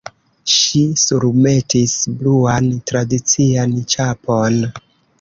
Ŝi surmetis bluan tradician ĉapon.